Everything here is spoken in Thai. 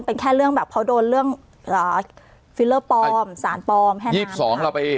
เป็นแค่เรื่องแบบเขาโดนเรื่องฟิลเลอร์ปลอมสารปลอมแค่นั้น